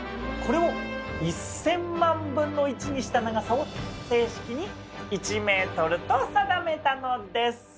これを１，０００万分の１にした長さを正式に「１ｍ」と定めたのです。